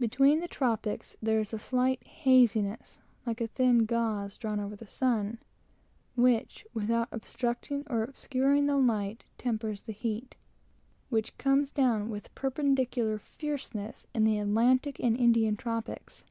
Between the tropics there is a slight haziness, like a thin gauze, drawn over the sun, which, without obstructing or obscuring the light, tempers the heat which comes down with perpendicular fierceness in the Atlantic and Indian tropics.